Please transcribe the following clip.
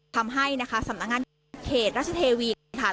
ทำให้นะคะสำนักงานเขตราชเทวีกค่ะ